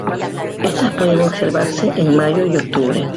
Estas pueden observarse en mayo y octubre.